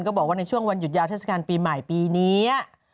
บอกว่าในช่วงวันหยุดยาวเทศกาลปีใหม่ปีนี้